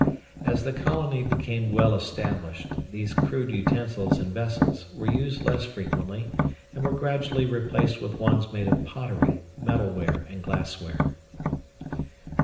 As the colony became well established, these crude utensils and vessels were used less frequently and were gradually replaced with ones made of pottery, metalware, and glassware.